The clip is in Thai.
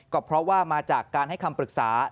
ก็เพราะว่ามาจากการให้คำปรึกษา